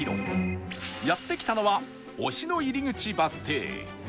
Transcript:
やって来たのは忍野入口バス停